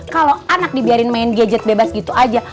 kalau anak dibiarin main gadget bebas gitu aja